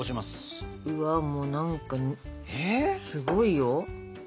うわもう何かすごいよ。